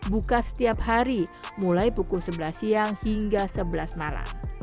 buka setiap hari mulai pukul sebelas siang hingga sebelas malam